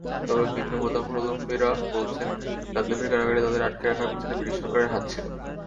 তবে ভিন্নমতাবলম্বীরা বলছেন, গাদ্দাফির কারাগারে তাঁদের আটকে রাখার পেছনে ব্রিটিশ সরকারের হাত ছিল।